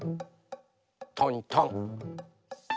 トントン。